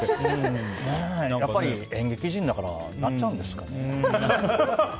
やっぱり演劇人だからなっちゃうんですかね。